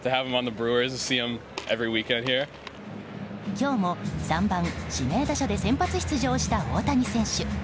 今日も３番指名打者で先発出場した大谷選手。